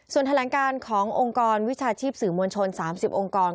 ส่วนแถลงการขององค์กรวิชาชีพสื่อมวลชน๓๐องค์กร